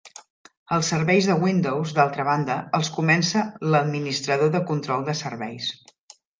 Els serveis de Windows, d'altra banda, els comença l'Administrador de control de serveis.